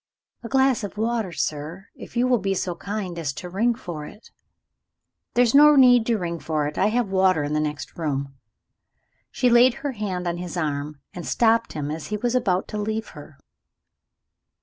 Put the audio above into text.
"A glass of water, sir, if you will be so kind as to ring for it." "There is no need to ring for it; I have water in the next room." She laid her hand on his arm, and stopped him as he was about to leave her.